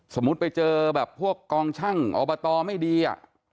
สมมุติไปเจอแบบพวกกองช่างอบตไม่ดี